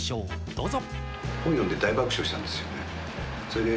どうぞ。